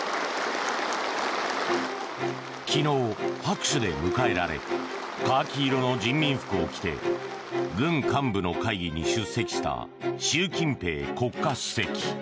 昨日、拍手で迎えられカーキ色の人民服を着て軍幹部の会議に出席した習近平国家主席。